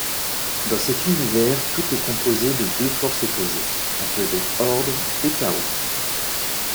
Dans cet univers, tout est composé de deux forces opposées, appelées Ordre et Chaos.